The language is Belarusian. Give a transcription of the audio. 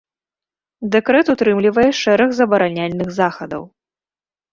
Дэкрэт утрымлівае шэраг забараняльных захадаў.